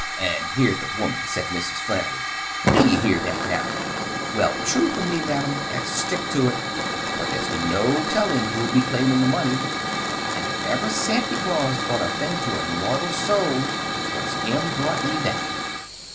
"And hear th' woman!" said Mrs. Flannery. "Do ye hear that now? Well, true for ye, ma'am, and stick to it, for there's no tellin' who'll be claimin' th' money, and if ever Santy Claus brought a thing to a mortal soul 't was him brought ye that.